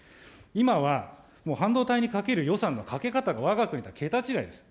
今はもう半導体にかける予算のかけ方が、わが国と桁違いです。